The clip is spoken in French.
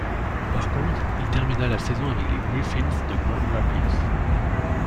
Par contre, il termina la saison avec les Griffins de Grand Rapids.